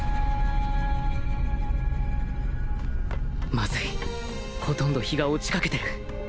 まずいほとんど日が落ちかけてる